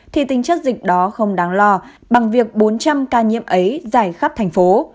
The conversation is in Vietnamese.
thì tính chất dịch đó không đáng lo bằng việc bốn trăm linh ca nhiễm ấy dài khắp thành phố